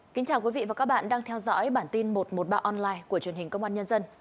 xin chào quý vị và các bạn đang theo dõi bản tin một trăm một mươi ba online của truyền hình công an nhân dân